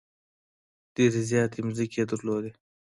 ډېرې زیاتې مځکې یې درلودلې.